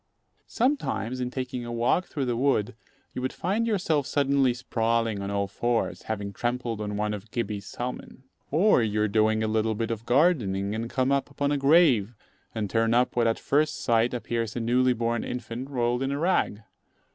Sometimes, in taking a walk through the wood, you would find yourself suddenly sprawling on all fours, having trampled on one of Gibbey's salmon. Or you are doing a little bit of gardening, and come upon a grave, and turn up what at first sight appears a newly born infant rolled in a rag.